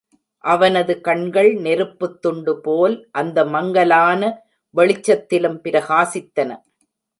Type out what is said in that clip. அவனது கண்கள் நெருப்புத்துண்டு போல் அந்த மங்கலான வெளிச்சத்திலும் பிரகாசித்தன.